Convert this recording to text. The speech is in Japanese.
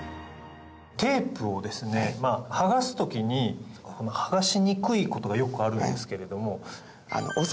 テープをですね剥がす時に剥がしにくいことがよくあるんですけれども。